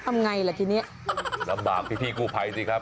ทำไงล่ะทีนี้ลำบากพี่กู้ภัยสิครับ